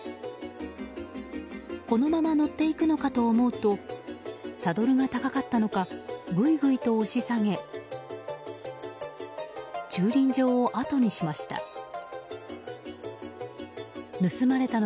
このまま乗っていくのかと思うとサドルが高かったのかぐいぐいと押し下げ駐輪場をあとにしました。